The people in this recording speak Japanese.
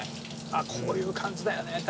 あっこういう感じだよねって。